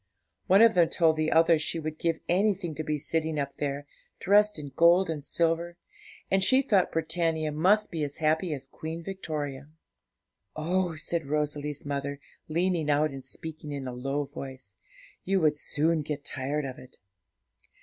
One of them told the other she would give anything to be sitting up there, dressed in gold and silver, and she thought Britannia must be as happy as Queen Victoria. 'Oh,' said Rosalie's mother, leaning out and speaking in a low voice, 'you would soon get tired of it.'